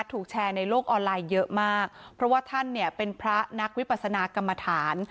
ถูกแชร์ในโลกออนไลน์เยอะมากเพราะว่าท่านเนี่ยเป็นพระนักวิปัสนากรรมฐาน